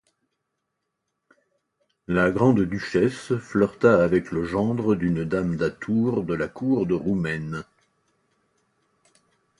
La grande-duchesse flirta avec le gendre d'une dame d'atour de la Cour de roumaine.